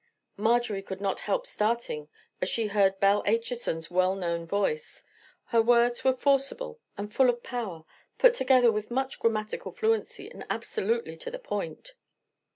Marjorie could not help starting as she heard Belle Acheson's well known voice. Her words were forcible and full of power, put together with much grammatical fluency, and absolutely to the point.